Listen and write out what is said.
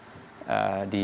yang mungkin apa pernah di apa